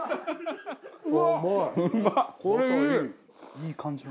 いい感じ。